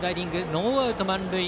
ノーアウト満塁。